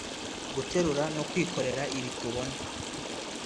guterura no kwikorera ibi tubona